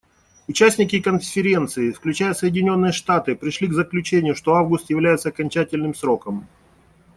Участники Конференции, включая Соединенные Штаты, пришли к заключению, что август является окончательным сроком.